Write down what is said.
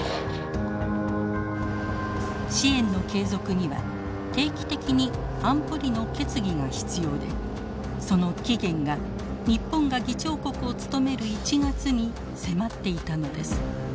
支援の継続には定期的に安保理の決議が必要でその期限が日本が議長国を務める１月に迫っていたのです。